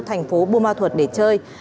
thành phố bùa ma thuật để chơi